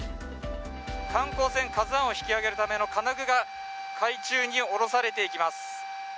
観光船「ＫＡＺＵⅠ」を引き揚げるための金具が海中に下ろされていきます。